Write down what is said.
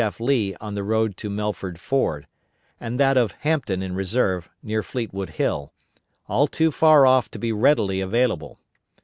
F. Lee on the road to Melford Ford, and that of Hampton in reserve, near Fleetwood Hill all too far off to be readily available.